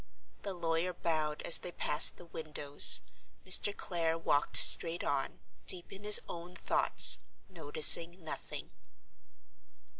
The lawyer bowed as they passed the windows; Mr. Clare walked straight on, deep in his own thoughts—noticing nothing.